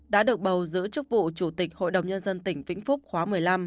đã được bầu giữ chức vụ chủ tịch hội đồng nhân dân tỉnh vĩnh phúc khóa một mươi năm